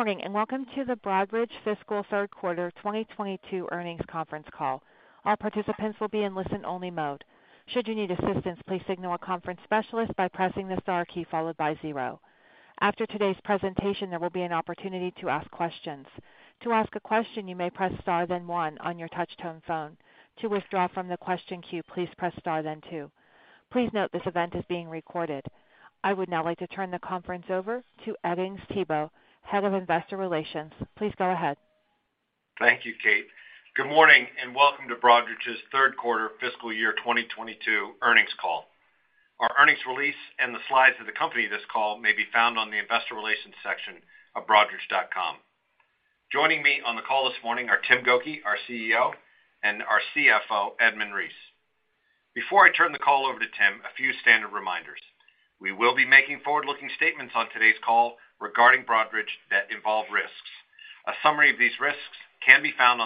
Good morning, and welcome to the Broadridge Fiscal Q3 2022 Earnings Conference Call. All participants will be in listen-only mode. Should you need assistance, please signal a conference specialist by pressing the star key followed by zero. After today's presentation, there will be an opportunity to ask questions. To ask a question, you may press Star then one on your touchtone phone. To withdraw from the question queue, please press Star then two. Please note this event is being recorded. I would now like to turn the conference over to W. Edings Thibault, Head of Investor Relations. Please go ahead. Thank you, Kate. Good morning and welcome to Broadridge's Q3 2022 earnings call. Our earnings release and the slides for the company for this call may be found on the investor relations section of broadridge.com. Joining me on the call this morning are Tim Gokey, our CEO, and our CFO, Edmund Reese. Before I turn the call over to Tim, a few standard reminders. We will be making forward-looking statements on today's call regarding Broadridge that involve risks. A summary of these risks can be found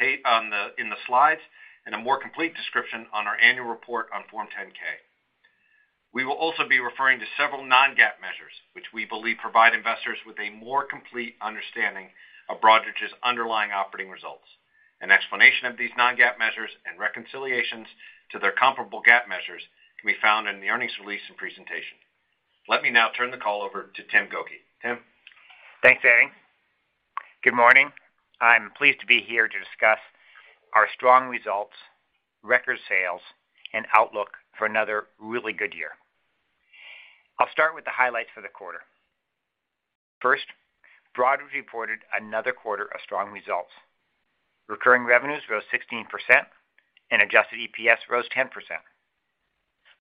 in the slides and a more complete description on our annual report on Form 10-K. We will also be referring to several non-GAAP measures, which we believe provide investors with a more complete understanding of Broadridge's underlying operating results. An explanation of these non-GAAP measures and reconciliations to their comparable GAAP measures can be found in the earnings release and presentation. Let me now turn the call over to Tim Gokey. Tim? Thanks, Eddie. Good morning. I'm pleased to be here to discuss our strong results, record sales, and outlook for another really good year. I'll start with the highlights for the quarter. First, Broadridge reported another quarter of strong results. Recurring revenues rose 16%, and adjusted EPS rose 10%.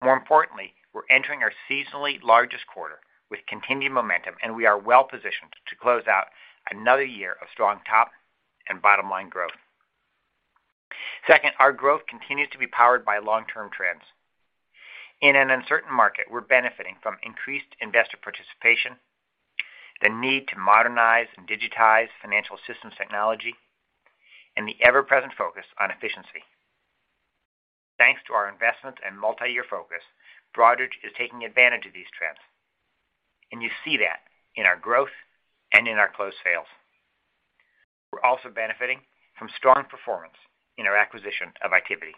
More importantly, we're entering our seasonally largest quarter with continued momentum, and we are well-positioned to close out another year of strong top-and-bottom-line growth. Second, our growth continues to be powered by long-term trends. In an uncertain market, we're benefiting from increased investor participation, the need to modernize and digitize financial systems technology, and the ever-present focus on efficiency. Thanks to our investments and multi-year focus, Broadridge is taking advantage of these trends, and you see that in our growth and in our closed sales. We're also benefiting from strong performance in our acquisition of Itiviti.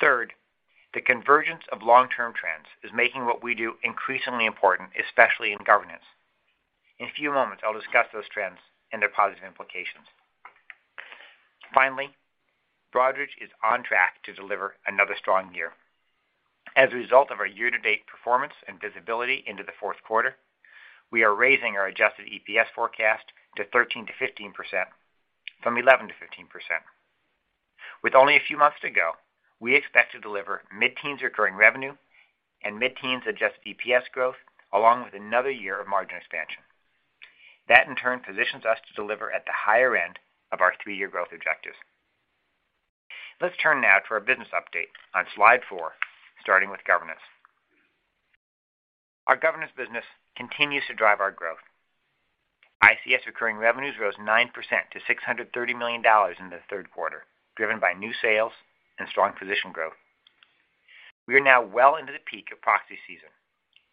Third, the convergence of long-term trends is making what we do increasingly important, especially in governance. In a few moments, I'll discuss those trends and their positive implications. Finally, Broadridge is on track to deliver another strong year. As a result of our year-to-date performance and visibility into the Q4, we are raising our adjusted EPS forecast to 13%-15% from 11%-15%. With only a few months to go, we expect to deliver mid-teens recurring revenue and mid-teens adjusted EPS growth, along with another year of margin expansion. That, in turn, positions us to deliver at the higher-end of our three-year growth objectives. Let's turn now to our business update on slide 4, starting with governance. Our governance business continues to drive our growth. ICS recurring revenues rose 9% to $630 million in the Q3, driven by new sales and strong position growth. We are now well into the peak of proxy season,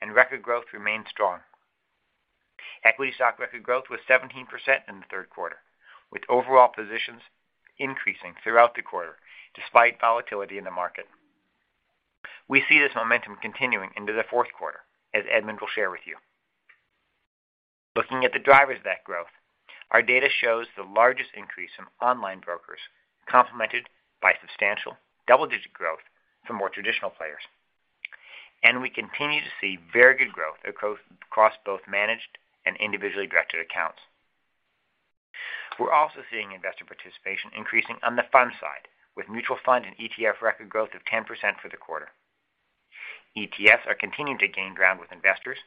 and record growth remains strong. Equity stock record growth was 17% in the Q3, with overall positions increasing throughout the quarter despite volatility in the market. We see this momentum continuing into the Q4, as Edmund will share with you. Looking at the drivers of that growth, our data shows the largest increase in online brokers complemented by substantial double-digit growth from more traditional players. We continue to see very good growth across both managed and individually directed accounts. We're also seeing investor participation increasing on the fund side, with mutual fund and ETF record growth of 10% for the quarter. ETFs are continuing to gain ground with investors,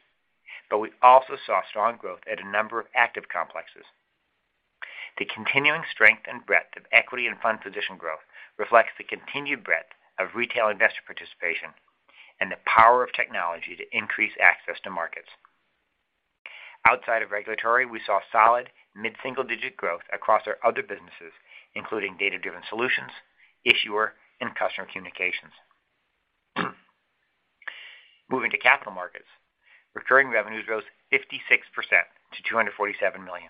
but we also saw strong growth at a number of active complexes. The continuing strength and breadth of equity and fund position growth reflects the continued breadth of retail investor participation and the power of technology to increase access to markets. Outside of regulatory, we saw solid mid-single-digit growth across our other businesses, including data-driven solutions, issuer, and customer communications. Moving-to capital markets, recurring revenues rose 56% to $247 million.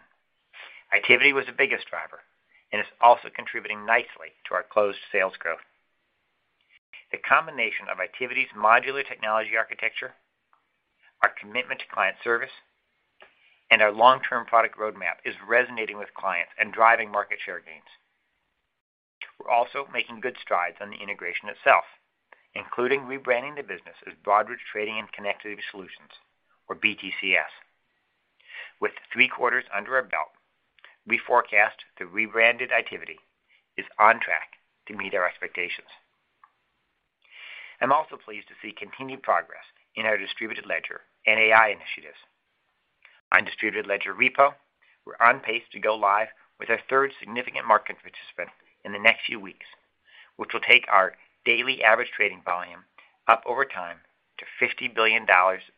Itiviti was the biggest driver and is also contributing nicely to our closed sales growth. The combination of Itiviti's modular technology architecture, our commitment to client service, and our long-term product roadmap is resonating with clients and driving market share gains. We're also making good strides on the integration itself, including rebranding the business as Broadridge Trading and Connectivity Solutions or BTCS. With three quarters under our belt, we forecast the rebranded Itiviti is on track to meet our expectations. I'm also pleased to see continued progress in our distributed ledger and AI initiatives. On Distributed Ledger Repo, we're on pace to go live with our third significant market participant in the next few weeks, which will take our daily average trading volume up over time to $50 billion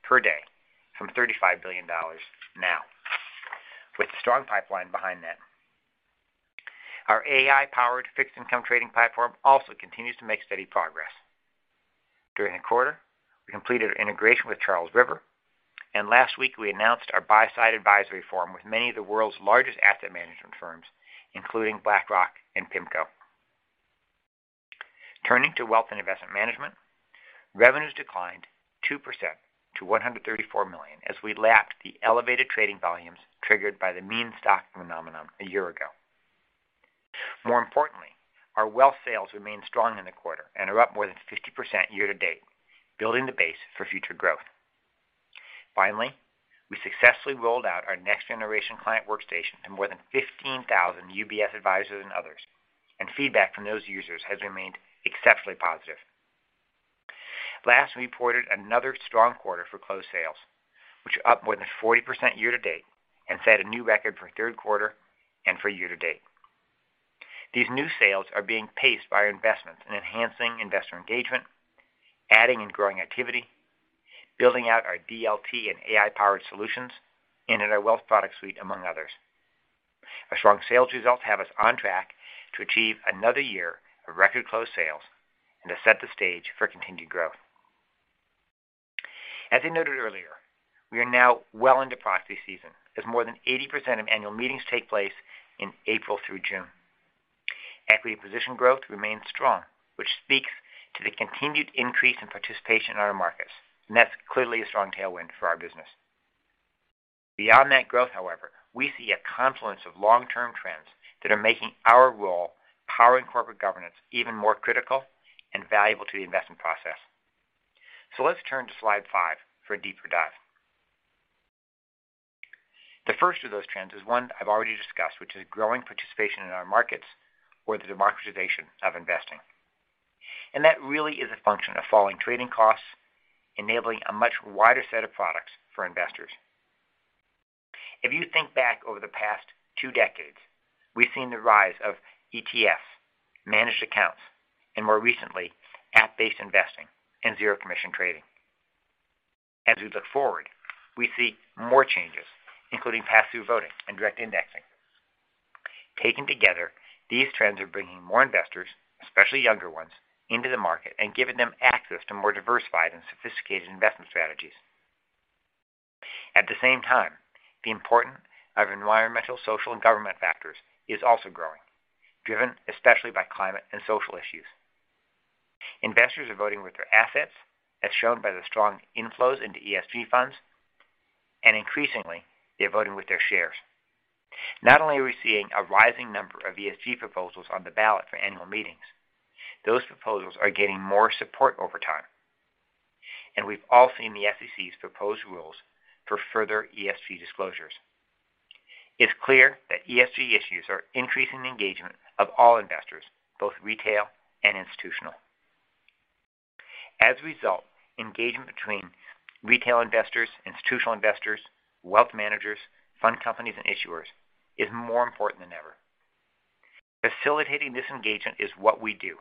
per day from $35 billion now. With a strong pipeline behind that. Our AI-powered fixed income trading platform also continues to make steady progress. During the quarter, we completed our integration with Charles River, and last week, we announced our buy-side advisory forum with many of the world's largest asset management firms, including BlackRock and PIMCO. Turning to wealth and investment management, revenues declined 2% to $134 million as we lapped the elevated trading volumes triggered by the meme stock phenomenon a year ago. More importantly, our wealth sales remained strong in the quarter and are up more than 50% year-to-date, building the base for future growth. Finally, we successfully rolled out our next-generation client workstation in more than 15,000 UBS advisors and others, and feedback from those users has remained exceptionally positive. Last, we reported another strong quarter for closed sales, which are up more than 40% year-to-date and set a new record for Q3 and for year-to-date. These new sales are being paced by our investments in enhancing investor engagement, adding and growing activity, building out our DLT and AI-powered solutions, and in our wealth product suite, among others. Our strong sales results have us on track to achieve another year of record-close sales and to set the stage for continued growth. As I noted earlier, we are now well into proxy season, as more than 80% of annual meetings take place in April through June. Equity position growth remains strong, which speaks to the continued increase in participation in our markets, and that's clearly a strong tailwind for our business. Beyond that growth, however, we see a confluence of long-term trends that are making our role powering corporate governance even more critical and valuable to the investment process. Let's turn to slide five for a deeper dive. The first of those trends is one I've already discussed, which is growing participation in our markets or the democratization of investing. That really is a function of falling trading costs, enabling a much wider set of products for investors. If you think back over the past two decades, we've seen the rise of ETFs, managed accounts, and more recently, app-based investing and zero-commission trading. As we look forward, we see more changes, including pass-through voting and direct indexing. Taken together, these trends are bringing more investors, especially younger ones, into the market and giving them access to more diversified and sophisticated investment strategies. At the same time, the importance of environmental, social, and governance factors is also growing, driven especially by climate and social issues. Investors are voting with their assets, as shown by the strong inflows into ESG funds, and increasingly, they're voting with their shares. Not only are we seeing a rising number of ESG proposals on the ballot for annual meetings. Those proposals are getting more support over time. We've all seen the SEC's proposed rules for further ESG disclosures. It's clear that ESG issues are increasing the engagement of all investors, both retail and institutional. As a result, engagement between retail investors, institutional investors, wealth managers, fund companies, and issuers is more important than ever. Facilitating this engagement is what we do,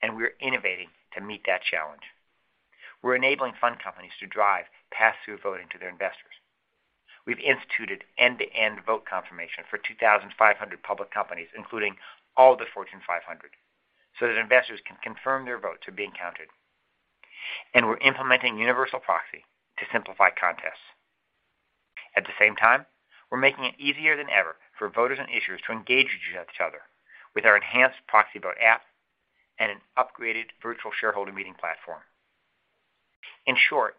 and we're innovating to meet that challenge. We're enabling fund companies to drive pass-through voting to their investors. We've instituted end-to-end vote confirmation for 2,500 public companies, including all the Fortune 500, so that investors can confirm their votes are being counted. We're implementing Universal Proxy to simplify contests. At the same time, we're making it easier than ever for voters and issuers to engage with each other with our enhanced proxy vote app and an upgraded virtual shareholder meeting platform. In short,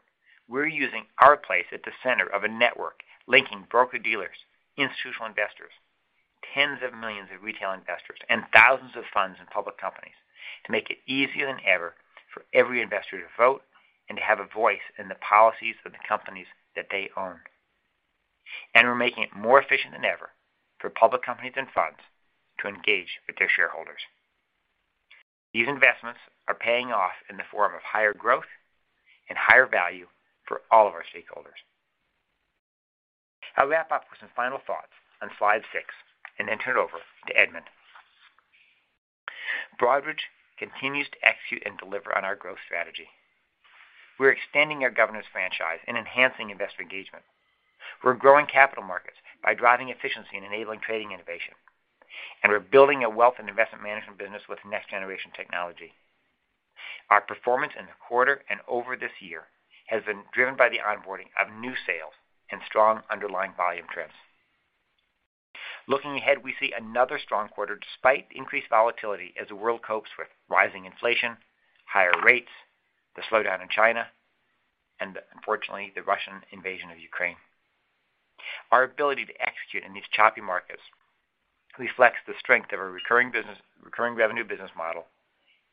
we're using our place at the center of a network linking broker-dealers, institutional investors, tens of millions of retail investors, and thousands of funds and public companies to make it easier than ever for every investor to vote and to have a voice in the policies of the companies that they own. We're making it more efficient than ever for public companies and funds to engage with their shareholders. These investments are paying off in the form of higher-growth and higher-value for all of our stakeholders. I'll wrap up with some final thoughts on slide 6 and then turn it over to Edmund. Broadridge continues to execute and deliver on our growth strategy. We're extending our governance franchise and enhancing investor engagement. We're growing capital markets by driving efficiency and enabling trading innovation. We're building a wealth and investment management business with next-generation technology. Our performance in the quarter and over this year has been driven by the onboarding of new sales and strong underlying volume trends. Looking ahead, we see another strong quarter despite increased volatility as the world copes with rising inflation, higher-rates, the slowdown in China, and unfortunately, the Russian invasion of Ukraine. Our ability to execute in these choppy markets reflects the strength of our recurring business, recurring revenue business model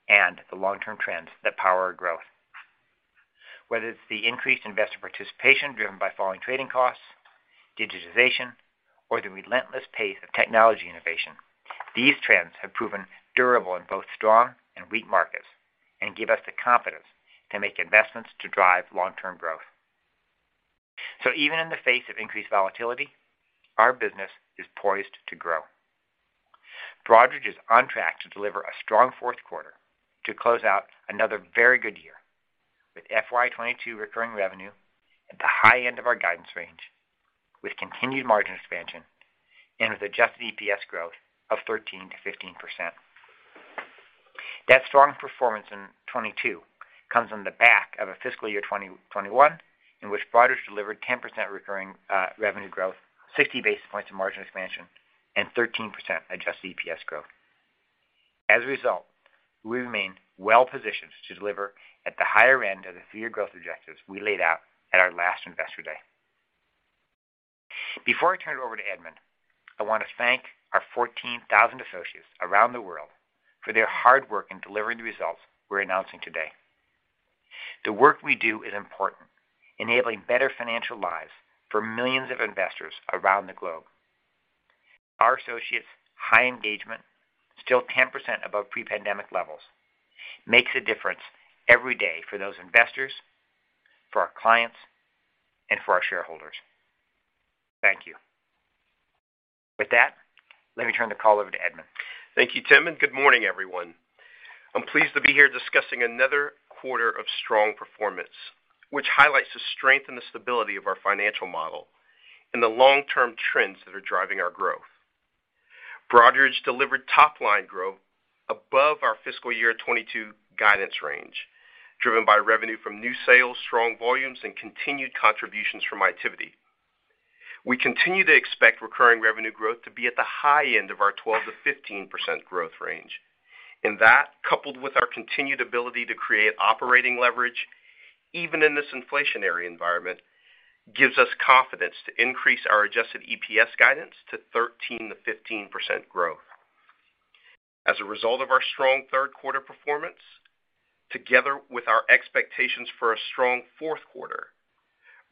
and the long-term trends that power our growth. Whether it's the increased investor participation driven by falling trading costs, digitization, or the relentless pace of technology innovation, these trends have proven durable in both strong and weak markets and give us the confidence to make investments to drive long-term growth. Even in the face of increased volatility, our business is poised to grow. Broadridge is on track to deliver a strong Q4 to close out another very good year, with FY22 recurring revenue at the high-end of our guidance range, with continued margin expansion, and with adjusted EPS growth of 13%-15%. That strong performance in 2022 comes on the back of a fiscal year 2021, in which Broadridge delivered 10% recurring revenue growth, 60 basis points of margin expansion, and 13% adjusted EPS growth. As a result, we remain well-positioned to deliver at the higher-end of the three-year growth objectives we laid out at our last Investor Day. Before I turn it over to Edmund, I want to thank our 14,000 associates around the world for their hard work in delivering the results we're announcing today. The work we do is important, enabling better financial lives for millions of investors around the globe. Our associates' high engagement, still 10% above pre-pandemic levels, makes a difference every day for those investors, for our clients, and for our shareholders. Thank you. With that, let me turn the call over to Edmund. Thank you, Tim, and good morning, everyone. I'm pleased to be here discussing another quarter of strong performance, which highlights the strength and the stability of our financial model and the long-term trends that are driving our growth. Broadridge delivered top-line growth above our fiscal year 2022 guidance range, driven by revenue from new sales, strong volumes, and continued contributions from Itiviti. We continue to expect recurring revenue growth to be at the high-end of our 12%-15% growth range. That, coupled with our continued ability to create operating leverage, even in this inflationary environment, gives us confidence to increase our adjusted EPS guidance to 13%-15% growth. As a result of our strong Q3 performance, together with our expectations for a strong Q4,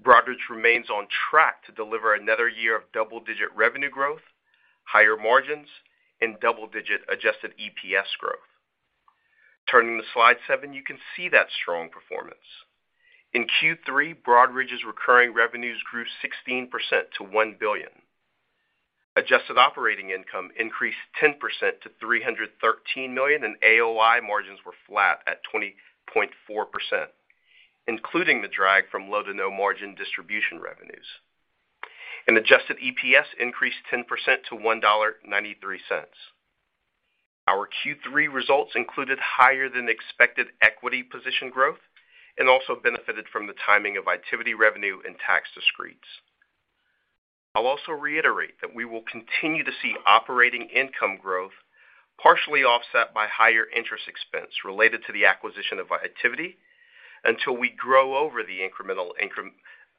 Broadridge remains on track to deliver another year of double-digit revenue growth, higher-margins, and double-digit adjusted EPS growth. Turning to slide 7, you can see that strong performance. In Q3, Broadridge's recurring revenues grew 16% to $1 billion. Adjusted operating income increased 10% to $313 million, and AOI margins were flat at 20.4%, including the drag from low to no margin distribution revenues. Adjusted EPS increased 10% to $1.93. Our Q3 results included higher than expected equity position growth and also benefited from the timing of Itiviti revenue and tax discretes. I'll also reiterate that we will continue to see operating income growth partially offset by higher-interest expense related to the acquisition of Itiviti until we grow over the incremental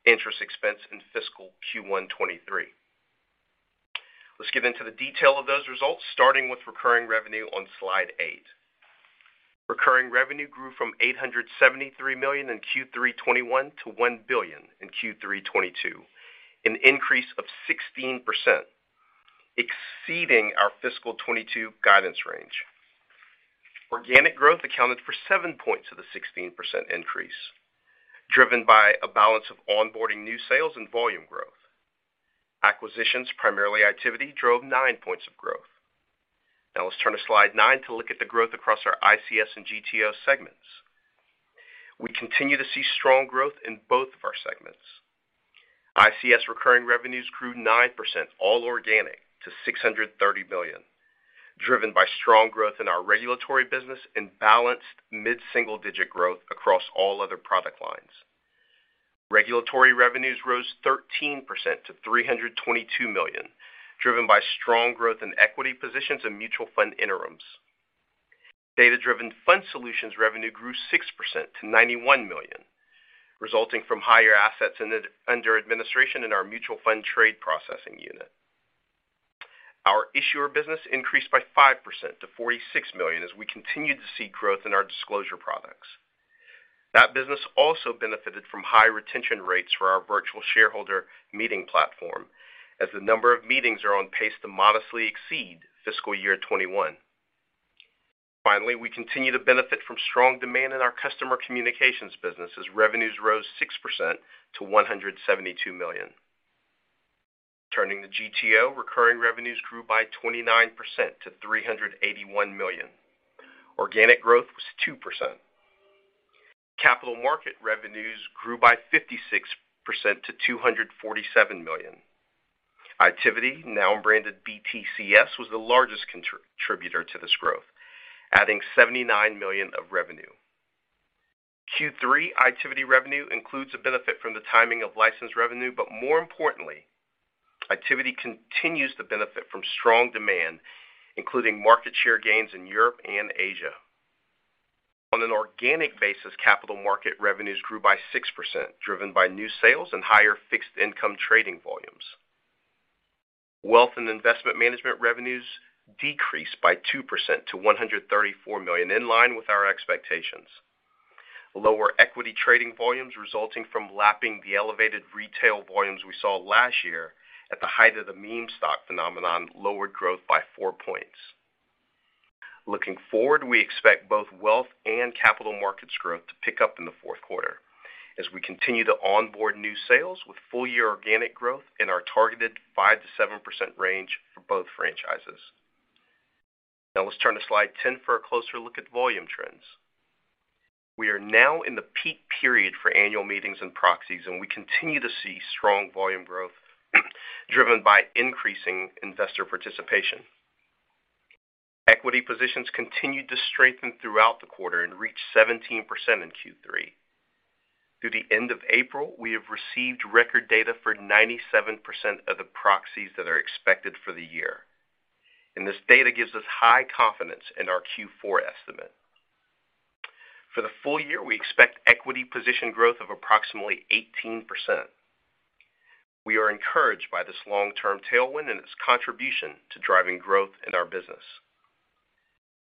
interest expense in fiscal Q1 2023. Let's get into the detail of those results, starting with recurring revenue on slide 8. Recurring revenue grew from $873 million in Q3 2021 to $1 billion in Q3 2022, an increase of 16%, exceeding our fiscal 2022 guidance range. Organic growth accounted for 7 points of the 16% increase, driven by a balance of onboarding new sales and volume growth. Acquisitions, primarily Itiviti, drove 9 points of growth. Now let's turn to slide 9 to look at the growth across our ICS and GTO segments. We continue to see strong growth in both of our segments. ICS recurring revenues grew 9%, all organic, to $630 million, driven by strong growth in our regulatory business and balanced mid-single-digit growth across all other product lines. Regulatory revenues rose 13% to $322 million, driven by strong growth in equity positions and mutual fund interims. Data-driven fund solutions revenue grew 6% to $91 million, resulting from higher assets under administration in our mutual fund trade processing unit. Our issuer business increased by 5% to $46 million as we continue to see growth in our disclosure products. That business also benefited from high retention rates for our virtual shareholder meeting platform, as the number of meetings are on pace to modestly exceed fiscal year 2021. Finally, we continue to benefit from strong demand in our customer communications business as revenues rose 6% to $172 million. Turning to GTO, recurring revenues grew by 29% to $381 million. Organic growth was 2%. Capital market revenues grew by 56% to $247 million. Itiviti, now branded BTCS, was the largest contributor to this growth, adding $79 million of revenue. Q3 Itiviti revenue includes a benefit from the timing of license revenue, but more importantly, Itiviti continues to benefit from strong demand, including market share gains in Europe and Asia. On an organic basis, capital market revenues grew by 6%, driven by new sales and higher fixed income trading volumes. Wealth and investment management revenues decreased by 2% to $134 million, in line with our expectations. Lower equity trading volumes resulting from lapping the elevated retail volumes we saw last year at the height of the meme stock phenomenon lowered growth by 4 points. Looking forward, we expect both wealth and capital markets growth to pick up in the Q4 as we continue to onboard new sales with full-year organic growth in our targeted 5%-7% range for both franchises. Now let's turn to slide 10 for a closer look at volume trends. We are now in the peak period for annual meetings and proxies, and we continue to see strong volume growth driven by increasing investor participation. Equity positions continued to strengthen throughout the quarter and reached 17% in Q3. Through the end of April, we have received record data for 97% of the proxies that are expected for the year. This data gives us high-confidence in our Q4 estimate. For the full year, we expect equity position growth of approximately 18%. We are encouraged by this long-term tailwind and its contribution to driving growth in our business.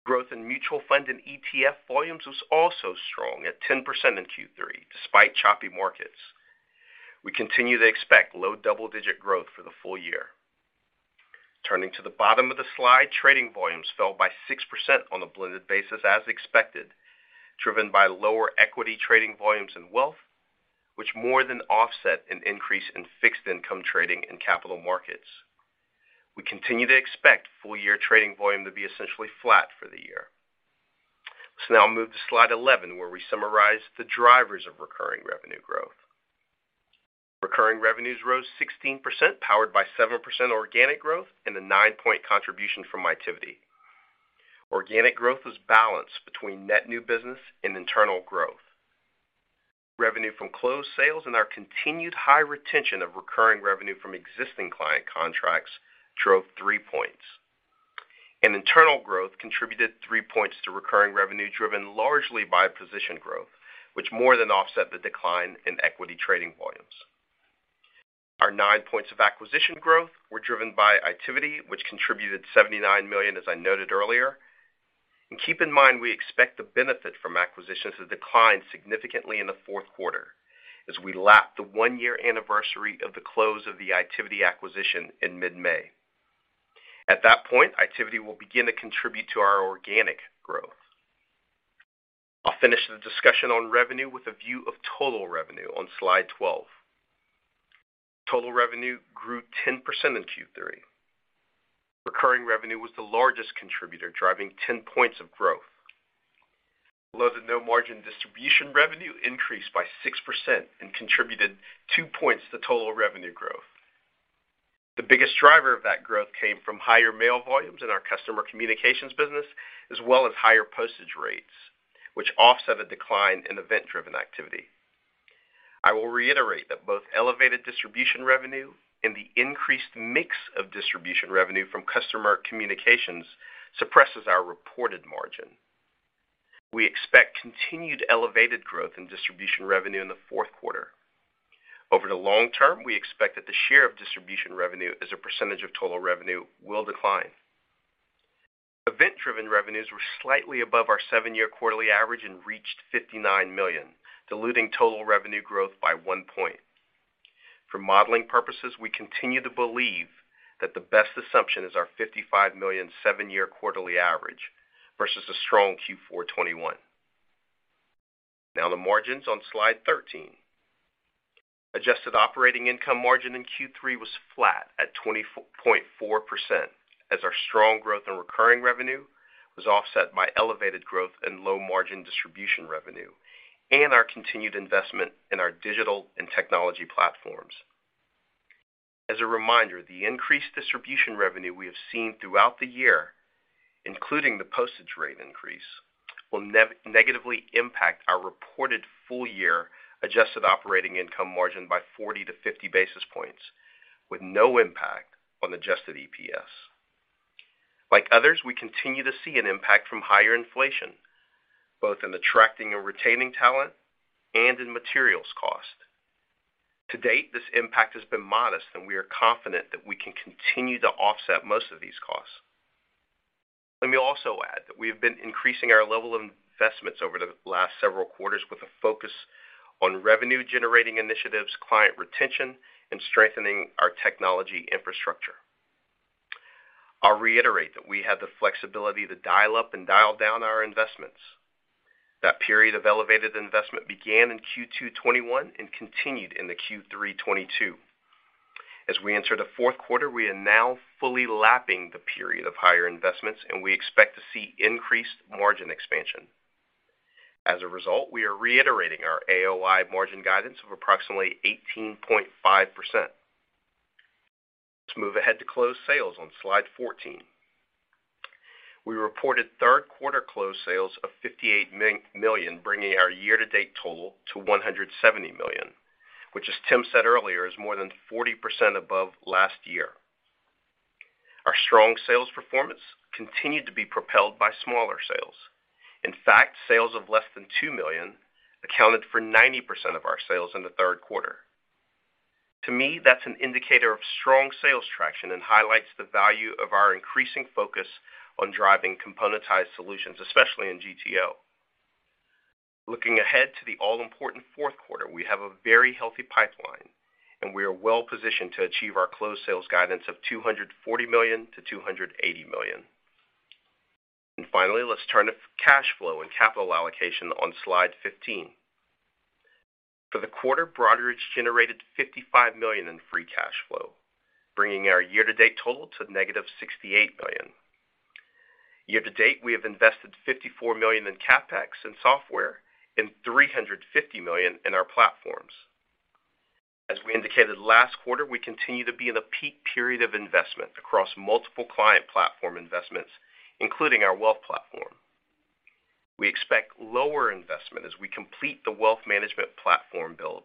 Growth in mutual fund and ETF volumes was also strong at 10% in Q3, despite choppy markets. We continue to expect low double-digit growth for the full year. Turning to the bottom of the slide, trading volumes fell by 6% on a blended basis as expected, driven by lower equity trading volumes and wealth, which more than offset an increase in fixed income trading and capital markets. We continue to expect full-year trading volume to be essentially flat for the year. Now I'll move to slide 11, where we summarize the drivers of recurring revenue growth. Recurring revenues rose 16%, powered by 7% organic growth and a 9-point contribution from Itiviti. Organic growth was balanced between net new business and internal growth. Revenue from closed sales and our continued high retention of recurring revenue from existing client contracts drove 3 points. Internal growth contributed 3 points to recurring revenue, driven largely by position growth, which more than offset the decline in equity trading volumes. Our 9 points of acquisition growth were driven by Itiviti, which contributed $79 million, as I noted earlier. Keep in mind, we expect the benefit from acquisitions to decline significantly in the Q4 as we lap the one-year anniversary of the close of the Itiviti acquisition in mid-May. At that point, Itiviti will begin to contribute to our organic growth. I'll finish the discussion on revenue with a view of total revenue on slide 12. Total revenue grew 10% in Q3. Recurring revenue was the largest contributor, driving 10 points of growth. Low to no margin distribution revenue increased by 6% and contributed two points to total revenue growth. The biggest driver of that growth came from higher mail volumes in our Customer Communications business, as well as higher postage rates, which offset a decline in event-driven activity. I will reiterate that both elevated distribution revenue and the increased mix of distribution revenue from Customer Communications suppresses our reported margin. We expect continued elevated growth in distribution revenue in the Q4. Over the long-term, we expect that the share of distribution revenue as a percentage of total revenue will decline. Event-driven revenues were slightly above our seven-year quarterly average and reached $59 million, diluting total revenue growth by one point. For modeling purposes, we continue to believe that the best assumption is our $55 million seven-year quarterly average versus a strong Q4 2021. Now the margins on slide 13. Adjusted operating income margin in Q3 was flat at 24.4% as our strong growth in recurring revenue was offset by elevated growth and low-margin distribution revenue and our continued investment in our digital and technology platforms. As a reminder, the increased distribution revenue we have seen throughout the year, including the postage rate increase, will negatively impact our reported full-year adjusted operating income margin by 40-50 basis points, with no impact on adjusted EPS. Like others, we continue to see an impact from higher-inflation, both in attracting and retaining talent and in materials cost. To date, this impact has been modest, and we are confident that we can continue to offset most of these costs. Let me also add that we have been increasing our level of investments over the last several quarters with a focus on revenue-generating initiatives, client retention, and strengthening our technology infrastructure. I'll reiterate that we have the flexibility to dial up and dial down our investments. That period of elevated investment began in Q2 2021 and continued into Q3 2022. As we enter the Q4, we are now fully lapping the period of higher investments, and we expect to see increased margin expansion. As a result, we are reiterating our AOI margin guidance of approximately 18.5%. Let's move ahead to closed sales on slide 14. We reported Q3 closed sales of $58 million, bringing our year-to-date total to $170 million, which, as Tim said earlier, is more than 40% above last year. Our strong sales performance continued to be propelled by smaller sales. In fact, sales of less than $2 million accounted for 90% of our sales in the Q3. To me, that's an indicator of strong sales traction and highlights the value of our increasing focus on driving componentized solutions, especially in GTO. Looking ahead to the all-important Q4, we have a very healthy pipeline, and we are well-positioned to achieve our closed sales guidance of $240 million-$280 million. Finally, let's turn to cash flow and capital allocation on slide 15. For the quarter, Broadridge generated $55 million in free cash flow, bringing our year-to-date total to -$68 million. Year to date, we have invested $54 million in CapEx and software and $350 million in our platforms. As we indicated last quarter, we continue to be in a peak period of investment across multiple client platform investments, including our wealth platform. We expect lower investment as we complete the wealth management platform build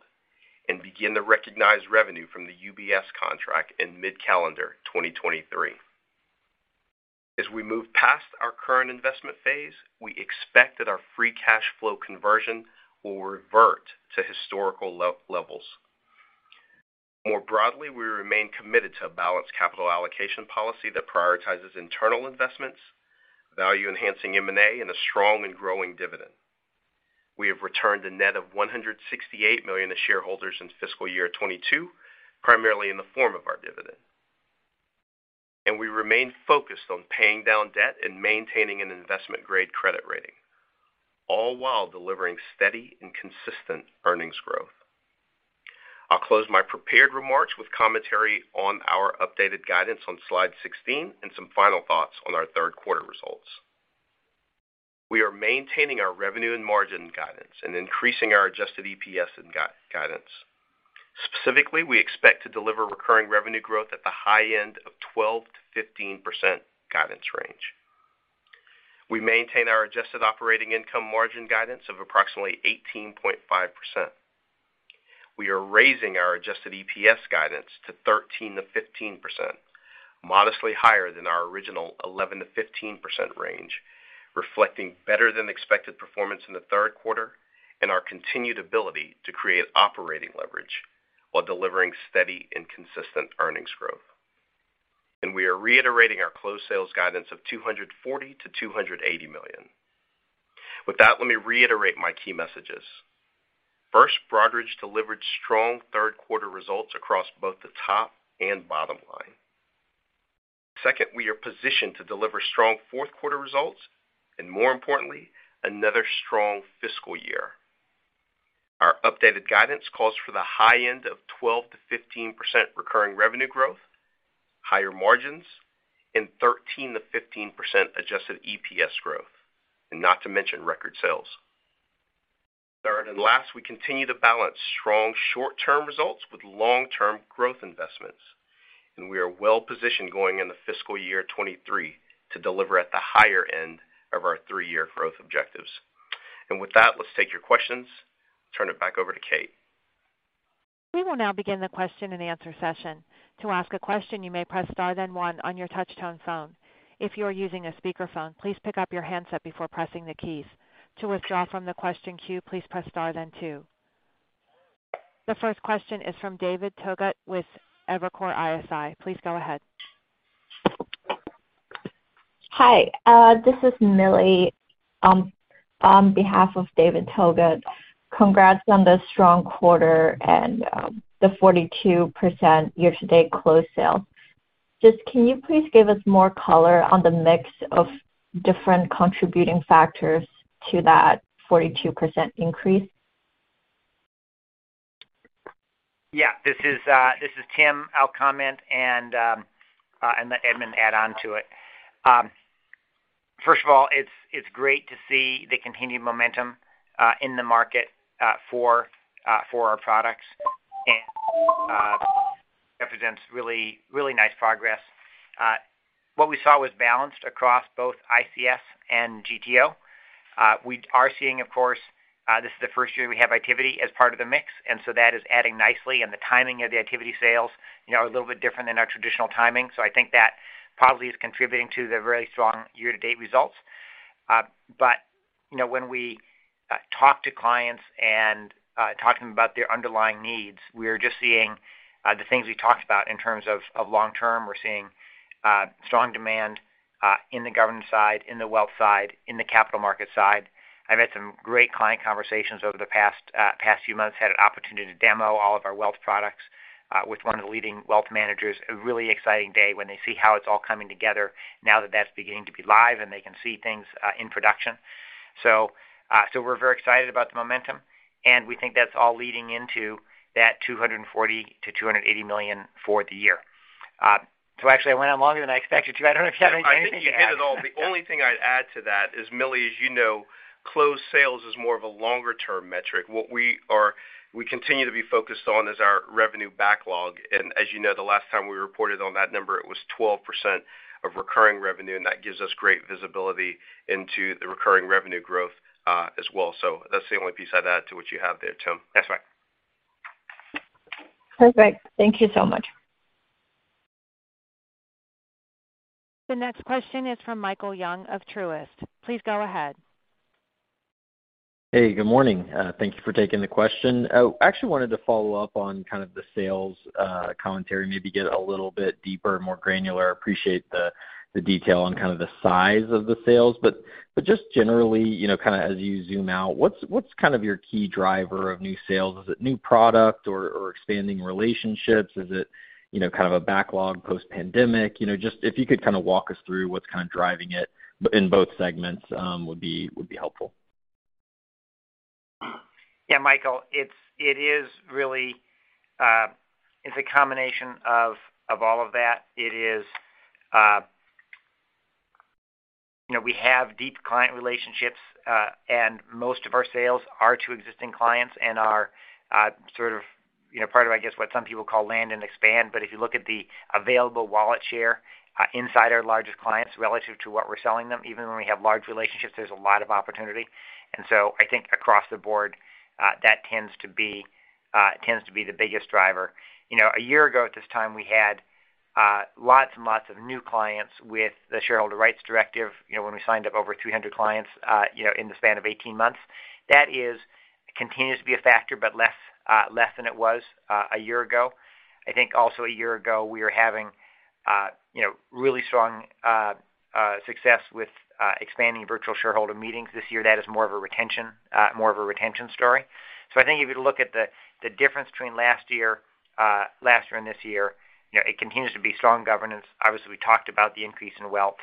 and begin to recognize revenue from the UBS contract in mid-calendar 2023. As we move past our current investment phase, we expect that our free cash flow conversion will revert to historical low-levels. More broadly, we remain committed to a balanced capital allocation policy that prioritizes internal investments, value-enhancing M&A, and a strong and growing dividend. We have returned a net of $168 million to shareholders in fiscal year 2022, primarily in the form of our dividend. We remain focused on paying down debt and maintaining an investment-grade credit rating, all while delivering steady and consistent earnings growth. I'll close my prepared remarks with commentary on our updated guidance on slide 16 and some final thoughts on our Q3 results. We are maintaining our revenue and margin guidance and increasing our adjusted EPS and guidance. Specifically, we expect to deliver recurring revenue growth at the high-end of 12%-15% guidance range. We maintain our adjusted operating income margin guidance of approximately 18.5%. We are raising our adjusted EPS guidance to 13%-15%, modestly higher than our original 11%-15% range, reflecting better than expected performance in the Q3 and our continued ability to create operating leverage while delivering steady and consistent earnings growth. We are reiterating our closed sales guidance of $240 million-$280 million. With that, let me reiterate my key messages. First, Broadridge delivered strong Q3 results across both the top-and-bottom line. Second, we are positioned to deliver strong Q4 results and more importantly, another strong fiscal year. Our updated guidance calls for the high-end of 12%-15% recurring revenue growth, higher-margins, and 13%-15% adjusted EPS growth, and not to mention record sales. Third and last, we continue to balance strong short-term results with long-term growth investments, and we are well-positioned going into fiscal year 2023 to deliver at the higher-end of our three-year growth objectives. With that, let's take your questions. Turn it back over to Kate. We will now begin the question and answer session. To ask a question, you may press Star then one on your touch-tone phone. If you are using a speakerphone, please pick up your handset before pressing the keys. To withdraw from the question queue, please press Star then two. The first question is from David Togut with Evercore ISI. Please go ahead. Hi, this is Millie, on behalf of David Togut. Congrats on the strong quarter and the 42% year-to-date close sale. Just can you please give us more color on the mix of different contributing factors to that 42% increase? Yeah. This is Tim. I'll comment and let Edmund add on to it. First of all, it's great to see the continued momentum in the market for our products. It represents really nice progress. What we saw was balanced across both ICS and GTO. We are seeing, of course, this is the first year we have Itiviti as part of the mix, and so that is adding nicely, and the timing of the Itiviti sales, you know, are a little bit different than our traditional timing. I think that probably is contributing to the very strong year-to-date results. You know, when we talk to clients and talk to them about their underlying needs, we're just seeing the things we talked about in terms of long-term. We're seeing strong demand in the government side, in the wealth side, in the capital market side. I've had some great client conversations over the past few months, had an opportunity to demo all of our wealth products with one of the leading wealth managers. A really exciting day when they see how it's all coming together now that that's beginning to be live and they can see things in production. We're very excited about the momentum, and we think that's all leading into that $240 million-$280 million for the year. Actually I went on longer than I expected to. I don't know if you have anything to add. I think you hit it all. The only thing I'd add to that is, Millie, as you know, closed sales is more of a longer-term metric. What we continue to be focused on is our revenue backlog. As you know, the last time we reported on that number, it was 12% of recurring revenue, and that gives us great visibility into the recurring revenue growth, as well. That's the only piece I'd add to what you have there, Tim. That's right. Perfect. Thank you so much. The next question is from Michael Young of Truist. Please go ahead. Hey, good morning. Thank you for taking the question. I actually wanted to follow-up on kind of the sales commentary, maybe get a little bit deeper, more granular. Appreciate the detail on kind of the size of the sales. Just generally, you know, kind of as you zoom out, what's kind of your key driver of new sales? Is it new product or expanding relationships? Is it, you know, kind of a backlog post-pandemic? You know, just if you could kind of walk us through what's kind of driving it in both segments, would be helpful. Yeah, Michael, it is really a combination of all of that. You know, we have deep client relationships, and most of our sales are to existing clients and are sort of, you know, part of, I guess, what some people call land and expand. If you look at the available wallet share inside our largest clients relative to what we're selling them, even when we have large relationships, there's a lot of opportunity. I think across the board, that tends to be the biggest driver. You know, a year ago at this time, we had lots and lots of new clients with the Shareholder Rights Directive. You know, when we signed up over 300 clients in the span of 18 months. Continues to be a factor, but less than it was a year ago. I think also a year ago, we were having you know, really strong success with expanding virtual shareholder meetings. This year, that is more of a retention story. I think if you look at the difference between last year and this year, you know, it continues to be strong governance. Obviously, we talked about the increase in wealth,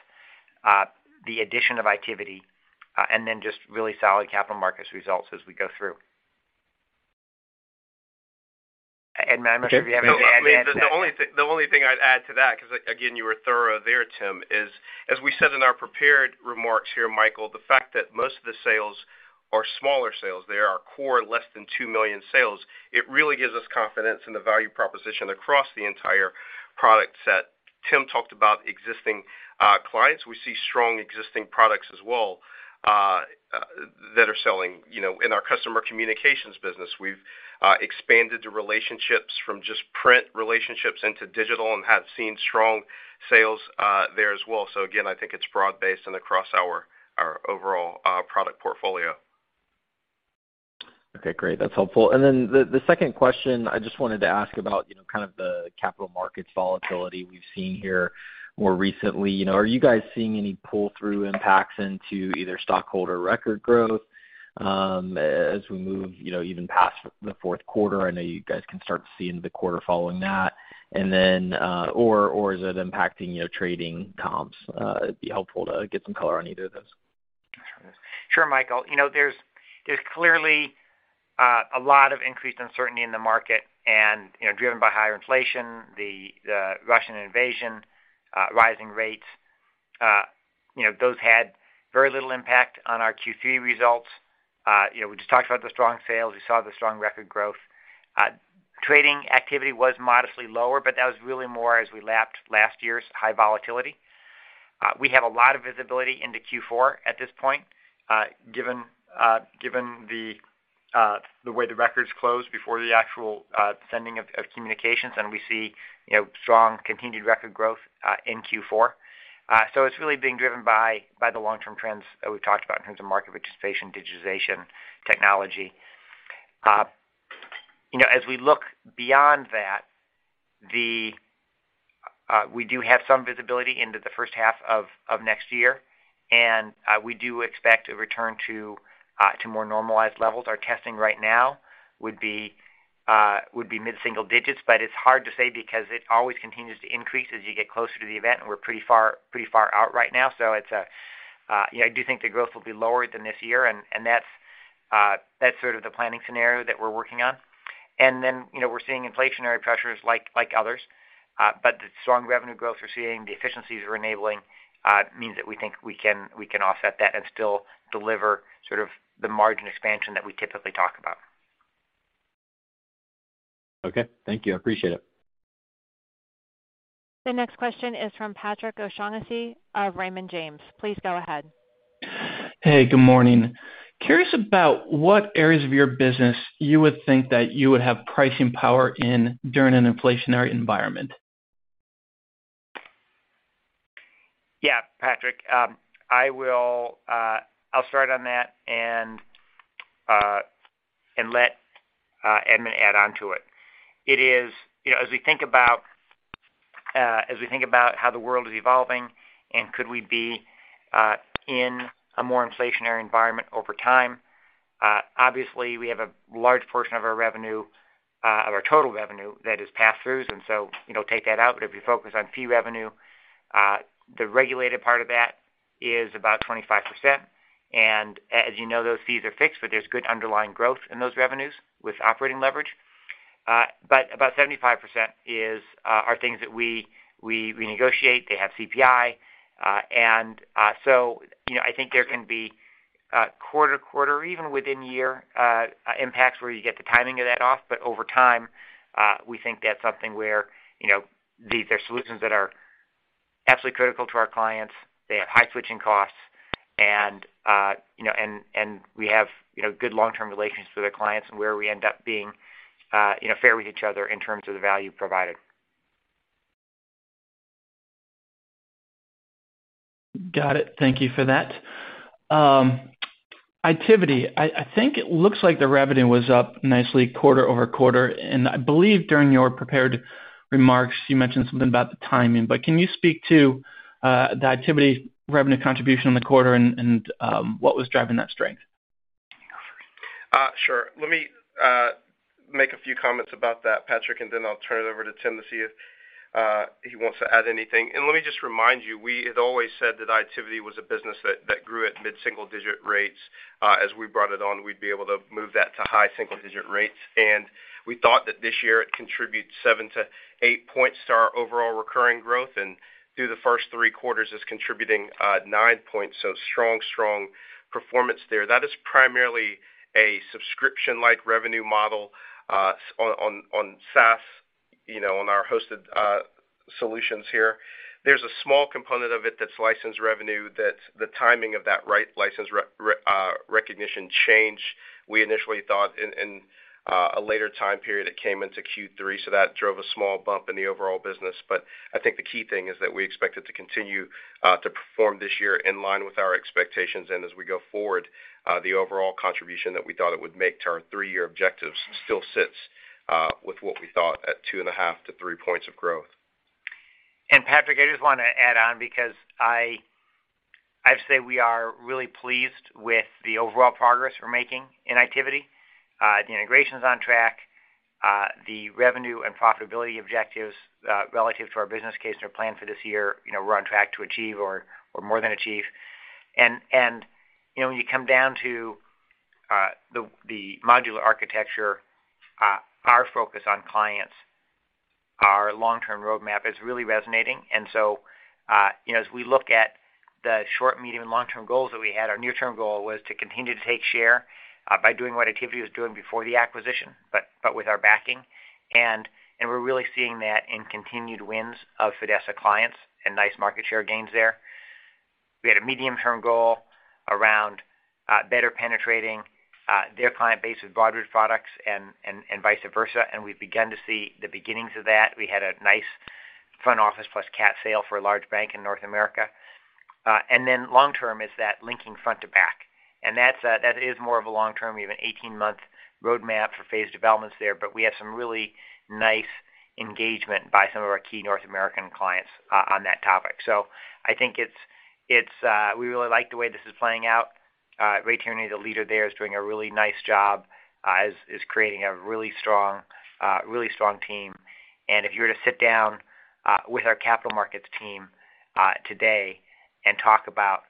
the addition of Itiviti, and then just really solid capital markets results as we go through. Edmund, unless you have anything to add to that. The only thing I'd add to that, because again, you were thorough there, Tim, is, as we said in our prepared remarks here, Michael, the fact that most of the sales are smaller sales, they are our core less than 2 million sales, it really gives us confidence in the value proposition across the entire product set. Tim talked about existing clients. We see strong existing products as well that are selling. You know, in our Customer Communications business, we've expanded the relationships from just print relationships into digital and have seen strong sales there as well. Again, I think it's broad-based and across our overall product portfolio. Okay, great. That's helpful. Then the second question, I just wanted to ask about, you know, kind of the capital markets volatility we've seen here more recently. You know, are you guys seeing any pull-through impacts into either stockholder record growth, as we move, you know, even past the Q4? I know you guys can start seeing the quarter following that. Or is it impacting, you know, trading comps? It'd be helpful to get some color on either of those. Sure, Michael. You know, there's clearly a lot of increased uncertainty in the market and, you know, driven by higher-inflation, the Russian invasion, rising rates. You know, those had very little impact on our Q3 results. You know, we just talked about the strong sales. We saw the strong record growth. Trading Itiviti was modestly lower, but that was really more as we lapped last year's high-volatility. We have a lot of visibility into Q4 at this point, given the way the records closed before the actual sending of communications, and we see strong continued record growth in Q4. So it's really being driven by the long-term trends that we've talked about in terms of market participation, digitization, technology. You know, as we look beyond that, we do have some visibility into the first half of next year, and we do expect a return to more normalized levels. Our testing right now would be mid-single digits%, but it's hard to say because it always continues to increase as you get closer to the event, and we're pretty far out right now. You know, I do think the growth will be lower than this year, and that's sort of the planning scenario that we're working on. You know, we're seeing inflationary pressures like others. The strong revenue growth we're seeing, the efficiencies we're enabling, means that we think we can offset that and still deliver sort of the margin expansion that we typically talk about. Okay. Thank you. I appreciate it. The next question is from Patrick O'Shaughnessy of Raymond James. Please go ahead. Hey, good morning. Curious about what areas of your business you would think that you would have pricing power in during an inflationary environment. Yeah. Patrick, I'll start on that and let Edmund add on to it. You know, as we think about how the world is evolving and could we be in a more inflationary environment over time, obviously, we have a large portion of our revenue, of our total revenue that is pass-throughs, and so, you know, take that out. If you focus on fee revenue, the regulated part of that is about 25%. As you know, those fees are fixed, but there's good underlying growth in those revenues with operating leverage. About 75% are things that we renegotiate. They have CPI, and so, you know, I think there can be quarter-to-quarter or even within-year impacts where you get the timing of that off. Over time, we think that's something where, you know, these are solutions that are absolutely critical to our clients. They have high switching costs and, you know, and we have, you know, good long-term relationships with our clients and where we end up being, you know, fair with each other in terms of the value provided. Got it. Thank you for that. I think it looks like the revenue was up nicely quarter-over-quarter, and I believe during your prepared remarks, you mentioned something about the timing. Can you speak to the Itiviti revenue contribution in the quarter and what was driving that strength? Sure. Let me Make a few comments about that, Patrick, and then I'll turn it over to Tim to see if he wants to add anything. Let me just remind you, we had always said that Itiviti was a business that grew at mid-single digit rates. As we brought it on, we'd be able to move that to high single-digit rates. We thought that this year it contributes 7%-8% to our overall recurring growth, and through the first 3 quarters is contributing 9%. Strong performance there. That is primarily a subscription-like revenue model on SaaS, you know, on our hosted solutions here. There's a small component of it that's licensed revenue that the timing of that relicense recognition change we initially thought in a later time period, it came into Q3, so that drove a small bump in the overall business. I think the key thing is that we expect it to continue to perform this year in line with our expectations. As we go forward, the overall contribution that we thought it would make to our three-year objectives still sits with what we thought at 2.5%-3% growth. Patrick, I just wanna add on because I have to say we are really pleased with the overall progress we're making in Itiviti. The integration's on track. The revenue and profitability objectives relative to our business case and our plan for this year, you know, we're on track to achieve or more than achieve. You know, when you come down to the modular architecture, our focus on clients, our long-term roadmap is really resonating. You know, as we look at the short, medium, and long-term goals that we had, our near-term goal was to continue to take share by doing what Itiviti was doing before the acquisition, but with our backing. We're really seeing that in continued wins of Fidessa clients and nice market share gains there. We had a medium-term goal around better penetrating their client base with Broadridge products and vice versa, and we've begun to see the beginnings of that. We had a nice front office plus CAT sale for a large bank in North America. Long-term is that linking front to back. That's more of a long-term, even 18-month roadmap for phase developments there. We have some really nice engagement by some of our key North American clients on that topic. I think it's we really like the way this is playing out. Ray Tierney, the leader there, is doing a really nice job, is creating a really strong team. If you were to sit down with our capital markets team today and talk about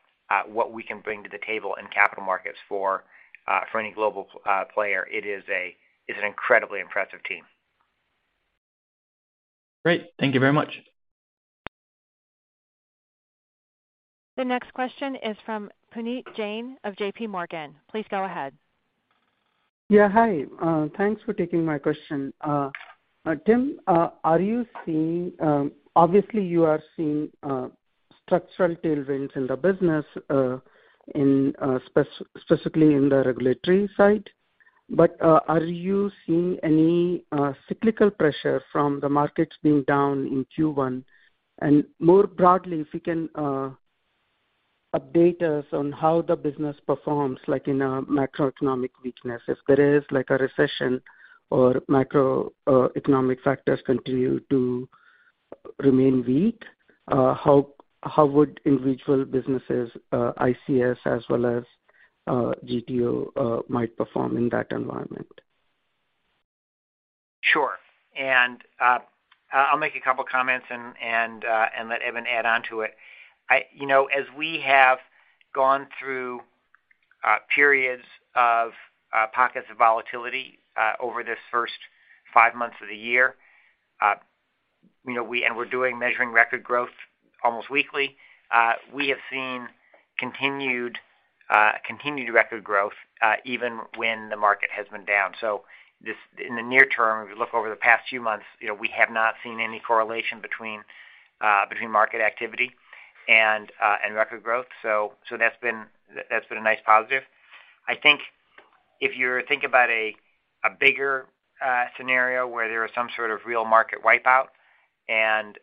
what we can bring to the table in capital markets for any global player, it's an incredibly impressive team. Great. Thank you very much. The next question is from Puneet Jain of JPMorgan. Please go ahead. Yeah, hi. Thanks for taking my question. Tim, obviously you are seeing structural tailwinds in the business, in specifically in the regulatory side. Are you seeing any cyclical pressure from the markets being down in Q1? More broadly, if you can update us on how the business performs, like in a macroeconomic weakness, if there is like a recession or macroeconomic factors continue to remain weak, how would individual businesses, ICS as well as GTO, might perform in that environment? Sure. I'll make a couple comments and let Evan add onto it. You know, as we have gone through periods of pockets of volatility over this first five months of the year, you know, we're seeing record growth almost weekly, we have seen continued record growth even when the market has been down. In the near term, if you look over the past few months, you know, we have not seen any correlation between market volatility and record growth. That's been a nice positive. I think if you think about a bigger scenario where there is some sort of real market wipeout and,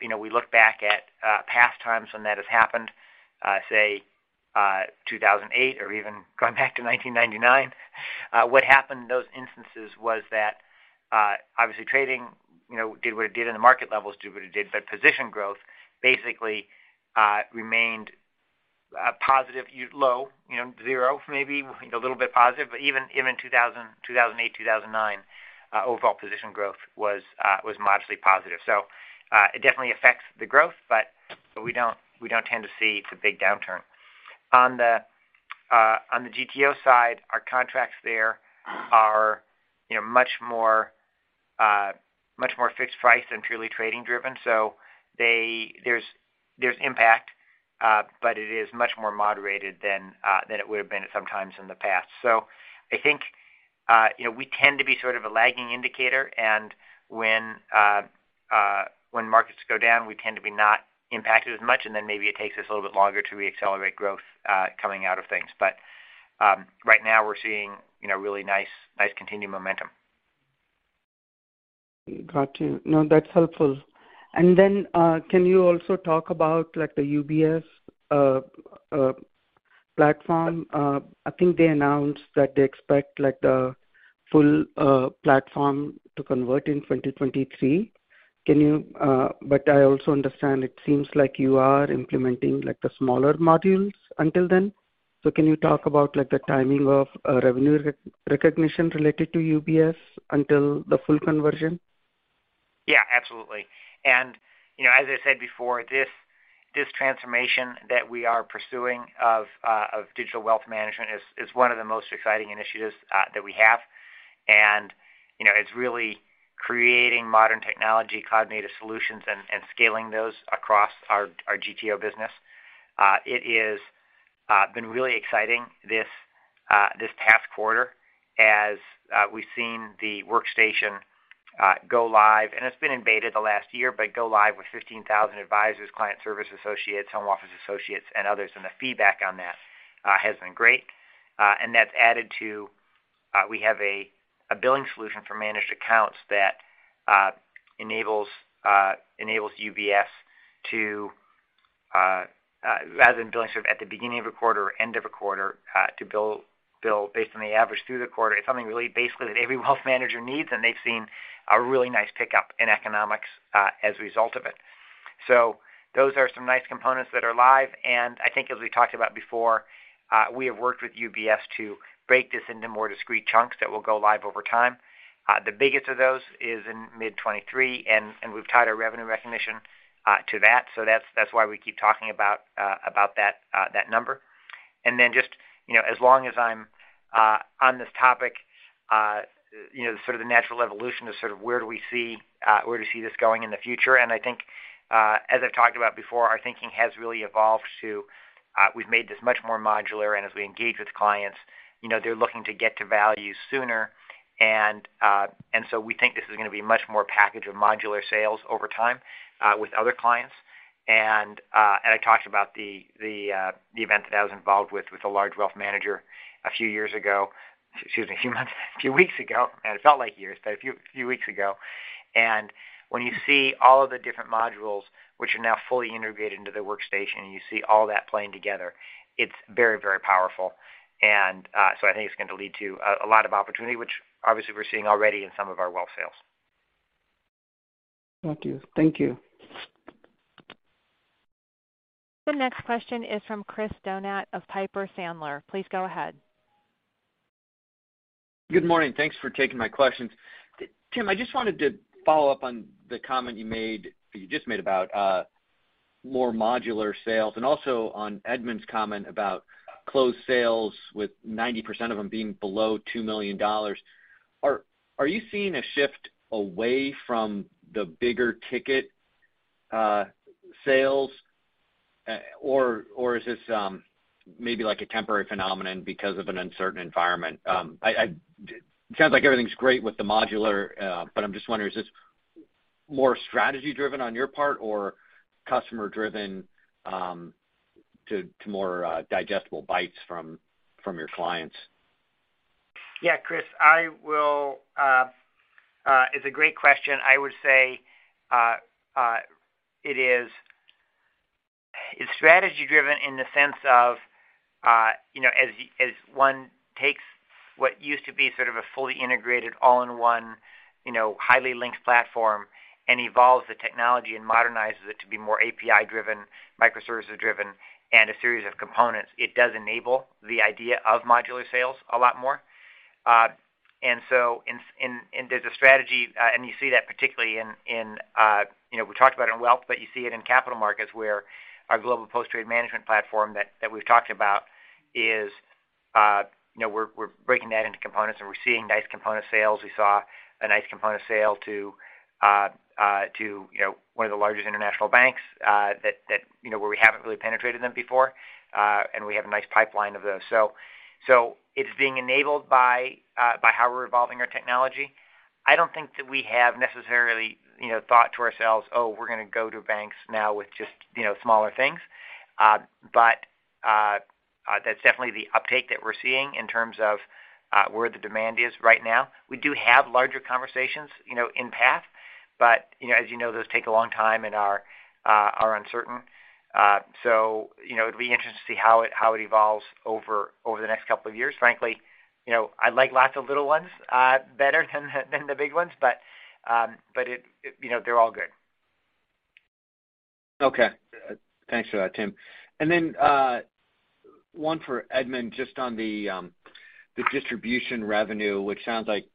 you know, we look back at past times when that has happened, say, 2008 or even going back to 1999, what happened in those instances was that, obviously trading, you know, did what it did and the market levels do what it did, but position growth basically remained positive, low, you know, zero, maybe a little bit positive. Even in 2008, 2009, overall position growth was modestly positive. It definitely affects the growth, but we don't tend to see the big downturn. On the GTO side, our contracts there are, you know, much more fixed price than purely trading driven. There's impact, but it is much more moderated than it would've been at some times in the past. I think, you know, we tend to be sort of a lagging indicator and when markets go down, we tend to be not impacted as much, and then maybe it takes us a little bit longer to reaccelerate growth coming out of things. Right now we're seeing, you know, really nice continued momentum. Got you. No, that's helpful. Then, can you also talk about like the UBS platform? I think they announced that they expect like the full platform to convert in 2023. I also understand it seems like you are implementing like the smaller modules until then. Can you talk about like the timing of revenue recognition related to UBS until the full conversion? Yeah, absolutely. You know, as I said before, this transformation that we are pursuing of digital wealth management is one of the most exciting initiatives that we have. You know, it's really creating modern technology, cloud-native solutions, and scaling those across our GTO business. It is been really exciting this past quarter as we've seen the workstation go live, and it's been in beta the last year, but go live with 15,000 advisors, client service associates, home office associates, and others, and the feedback on that has been great. That's added to we have a billing solution for managed accounts that enables UBS to rather than billing sort of at the beginning of a quarter or end of a quarter to bill based on the average through the quarter. It's something really basically that every wealth manager needs, and they've seen a really nice pickup in economics as a result of it. Those are some nice components that are live. I think as we talked about before, we have worked with UBS to break this into more discrete chunks that will go live over time. The biggest of those is in mid-2023, and we've tied our revenue recognition to that. That's why we keep talking about that number. Then just, you know, as long as I'm on this topic, you know, sort of the natural evolution of sort of where do we see this going in the future. I think, as I've talked about before, our thinking has really evolved to, we've made this much more modular, and as we engage with clients, you know, they're looking to get to value sooner. So we think this is gonna be much more package of modular sales over time, with other clients. I talked about the event that I was involved with a large wealth manager a few weeks ago. Excuse me, a few weeks ago. It felt like years, but a few weeks ago. When you see all of the different modules, which are now fully integrated into their workstation, and you see all that playing together, it's very, very powerful. I think it's going to lead to a lot of opportunity, which obviously we're seeing already in some of our wealth sales. Thank you. Thank you. The next question is from Christopher Donat of Piper Sandler. Please go ahead. Good morning. Thanks for taking my questions. Tim, I just wanted to follow-up on the comment you just made about more modular sales, and also on Edmund's comment about closed sales with 90% of them being below $2 million. Are you seeing a shift away from the bigger ticket sales, or is this maybe like a temporary phenomenon because of an uncertain environment? It sounds like everything's great with the modular, but I'm just wondering, is this more strategy-driven on your part or customer-driven to more digestible bites from your clients? Yeah, Chris, I will. It's a great question. I would say, it's strategy driven in the sense of, you know, as one takes what used to be sort of a fully integrated all-in-one, you know, highly-linked platform and evolves the technology and modernizes it to be more API-driven, micro-service-driven and a series of components, it does enable the idea of modular sales a lot more. In there's a strategy, and you see that particularly in, you know, we talked about in wealth, but you see it in capital markets where our global post-trade management platform that we've talked about is, you know, we're breaking that into components, and we're seeing nice component sales. We saw a nice component sale to, you know, one of the largest international banks that, you know, where we haven't really penetrated them before, and we have a nice pipeline of those. It's being enabled by how we're evolving our technology. I don't think that we have necessarily, you know, thought to ourselves, "Oh, we're gonna go to banks now with just, you know, smaller things." That's definitely the uptake that we're seeing in terms of where the demand is right now. We do have larger conversations, you know, in fact, but, you know, as you know, those take a long time and are uncertain. It'd be interesting to see how it evolves over the next couple of years. Frankly, you know, I like lots of little ones better than the big ones, but it. You know, they're all good. Okay. Thanks for that, Tim. One for Edmund, just on the distribution revenue, which sounds like,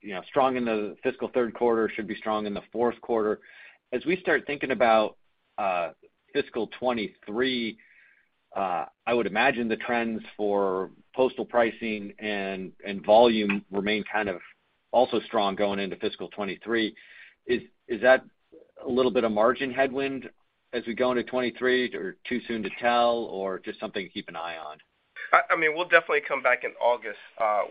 you know, strong in the fiscal Q3, should be strong in the Q4. As we start thinking about fiscal 2023, I would imagine the trends for postal pricing and volume remain kind of also strong going into fiscal 2023. Is that a little bit of margin headwind as we go into 2023, or too soon to tell, or just something to keep an eye on? I mean, we'll definitely come back in August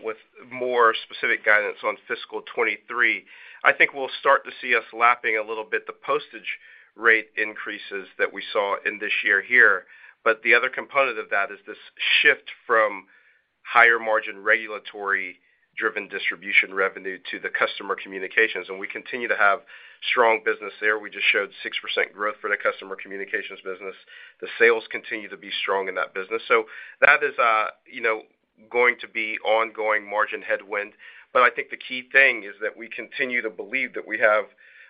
with more specific guidance on fiscal 2023. I think we'll start to see us lapping a little bit the postage rate increases that we saw in this year here. The other component of that is this shift from higher-margin regulatory-driven distribution revenue to the Customer Communications. We continue to have strong business there. We just showed 6% growth for the Customer Communications business. The sales continue to be strong in that business. That is, you know, going to be ongoing margin headwind. I think the key thing is that we continue to believe that we have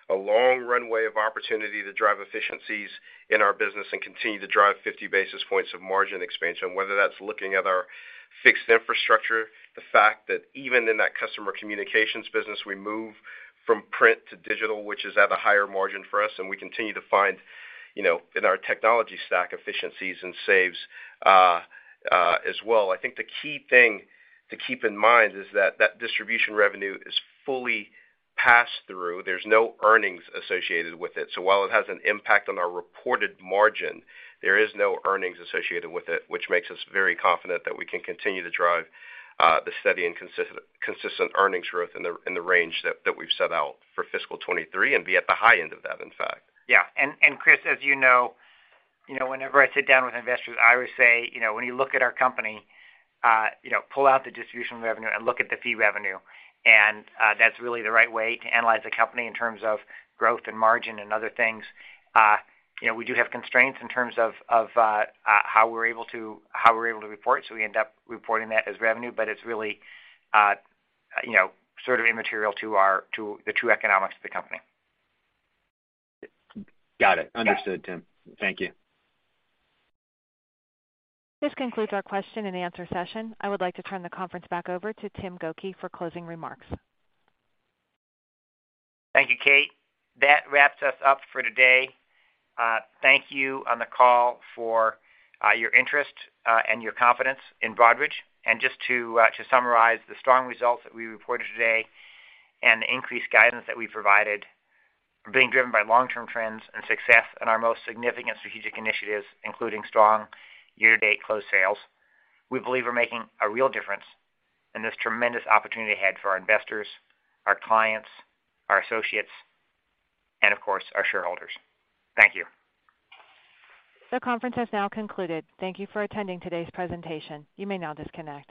a long-runway of opportunity to drive efficiencies in our business and continue to drive 50 basis points of margin expansion, whether that's looking at our fixed infrastructure, the fact that even in that Customer Communications business, we move from print to digital, which is at a higher-margin for us, and we continue to find, you know, in our technology stack, efficiencies and saves, as well. I think the key thing to keep in mind is that distribution revenue is fully passed through. There's no earnings associated with it. While it has an impact on our reported margin, there is no earnings associated with it, which makes us very confident that we can continue to drive the steady and consistent earnings growth in the range that we've set out for fiscal 2023 and be at the high-end of that, in fact. Yeah. Chris, as you know, you know, whenever I sit down with investors, I always say, you know, when you look at our company, you know, pull out the distribution revenue and look at the fee revenue. That's really the right way to analyze the company in terms of growth and margin and other things. You know, we do have constraints in terms of how we're able to report, so we end up reporting that as revenue. It's really, you know, sort of immaterial to the true economics of the company. Got it. Understood, Tim. Thank you. This concludes our question and answer session. I would like to turn the conference back over to Tim Gokey for closing remarks. Thank you, Kate. That wraps us up for today. Thank you on the call for your interest and your confidence in Broadridge. Just to summarize, the strong results that we reported today and the increased guidance that we provided are being driven by long-term trends and success in our most significant strategic initiatives, including strong year-to-date closed sales. We believe we're making a real difference in this tremendous opportunity ahead for our investors, our clients, our associates, and of course, our shareholders. Thank you. The conference has now concluded. Thank you for attending today's presentation. You may now disconnect.